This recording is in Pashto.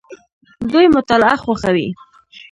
دوی مطالعه خوښوي.